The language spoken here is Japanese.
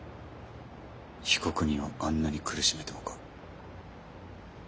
被告人をあんなに苦しめてもか？